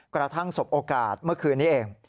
กระทั่งสบโอกาสเมื่อคืนนี้เอง